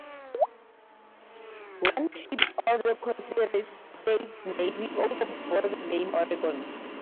One ship of the Confederate States Navy also bore the name "Oregon".